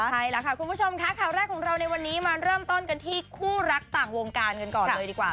ใช่ล่ะค่ะคุณผู้ชมค่ะข่าวแรกของเราในวันนี้มาเริ่มต้นกันที่คู่รักต่างวงการกันก่อนเลยดีกว่า